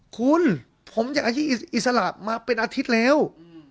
คุณผมแจกอาชีพอิสระมาเป็นอาทิตย์แล้วอืมวันนี้